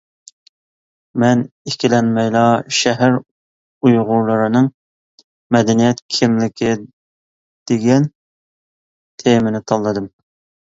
مەن ئىككىلەنمەيلا «شەھەر ئۇيغۇرلىرىنىڭ مەدەنىيەت كىملىكى» دېگەن تېمىنى تاللىدىم.